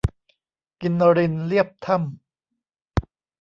กินรินเลียบถ้ำ